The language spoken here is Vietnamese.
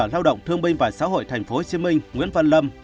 lao động thương minh và xã hội tp hcm nguyễn văn lâm